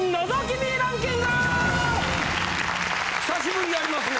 久しぶりやりますね。